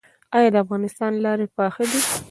آیا د افغانستان لارې پاخه دي؟